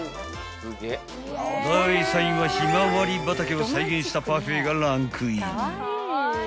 ［第３位はヒマワリ畑を再現したパフェがランクイン］